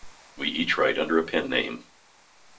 We each write under a pen name.